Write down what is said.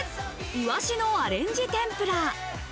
いわしのアレンジ天ぷら。